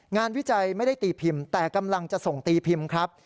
วิจัยไม่ได้ตีพิมพ์แต่กำลังจะส่งตีพิมพ์ครับ